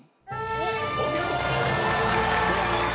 お見事。